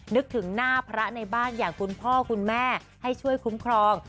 นึกถึงหน้าพระในบ้านอย่างคุณพ่อคุณแม่ให้ช่วยคุ้มครอง